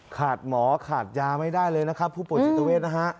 หมอขาดยาไม่ได้เลยนะครับผู้ป่วยจิตเวทนะฮะ